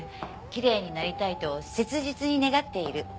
きれいになりたいと切実に願っている。